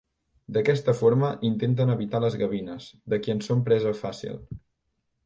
D'aquesta forma intenten evitar les gavines, de qui en són presa fàcil.